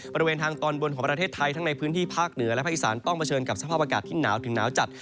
บริเวณทางตอนบนของประเทศไทยทั้งในพื้นที่ภาคเหนือและภาคอีสานต้องเผชิญกับสภาพอากาศที่หนาวถึงหนาวจัด